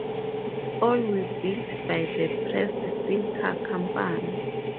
All were built by the Pressed Steel Car Company.